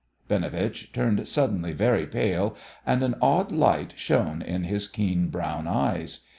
Binovitch turned suddenly very pale, and an odd light shone in his keen brown eyes.